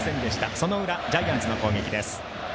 その裏、ジャイアンツの攻撃です。